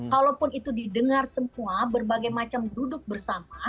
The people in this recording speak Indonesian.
kalaupun itu didengar semua berbagai macam duduk bersama